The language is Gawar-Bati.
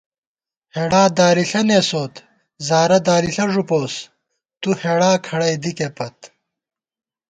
ہېڑا دالِݪہ نېسوس ، زارہ دالِݪہ ݫُپوس تُو ہېڑا کھڑَئی دِکےپت